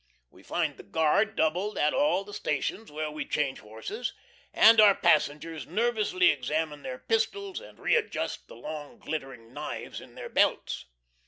We find the guard doubled at all the stations where we change horses, and our passengers nervously examine their pistols and readjust the long glittering knives in their belts.